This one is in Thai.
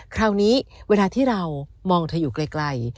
คราวนี้เวลาที่เรามองเธออยู่ไกล